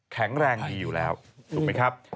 แข็งแรงดีอยู่แล้วถูกไหมครับ